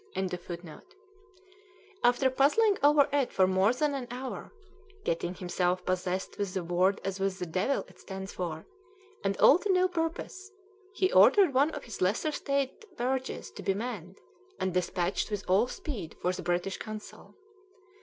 ] After puzzling over it for more than an hour, getting himself possessed with the word as with the devil it stands for, and all to no purpose, he ordered one of his lesser state barges to be manned and despatched with all speed for the British Consul.